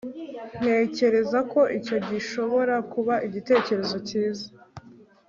ntekereza ko icyo gishobora kuba igitekerezo cyiza